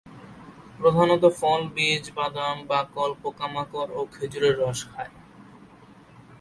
প্রধানত ফল, বীজ, বাদাম, বাকল, পোকামাকড় ও খেজুরের রস খায়।